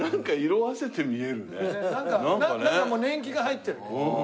なんかもう年季が入ってるね。